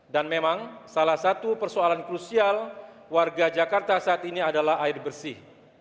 memang salah satu persoalan krusial warga jakarta saat ini adalah air bersih